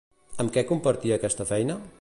Amb què compartia aquesta feina?